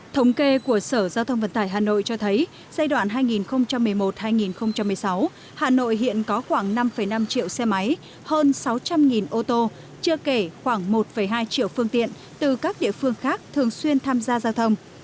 thống kê của sở giao thông vận tải hà nội cho thấy giai đoạn hai nghìn một mươi một hai nghìn một mươi sáu hà nội hiện có khoảng năm năm triệu xe máy hơn sáu trăm linh ô tô chưa kể khoảng một hai triệu phương tiện từ các địa phương khác thường xuyên tham gia giao thông